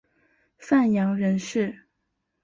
范阳人氏。